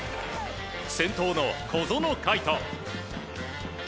先頭の小園海斗。